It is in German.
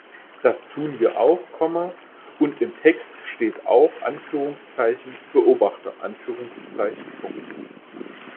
Das tun wir auch, und im Text steht auch "Beobachter".